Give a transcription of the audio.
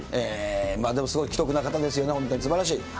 でもすごい奇特な方ですよね、すばらしい。